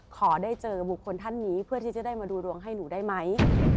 ขอได้เจอบุคคลท่านนี้เพื่อที่จะได้มาดูดวงให้หนูได้ไหม